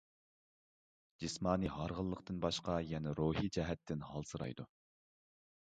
جىسمانىي ھارغىنلىقتىن باشقا يەنە روھىي جەھەتتىن ھالسىرايدۇ.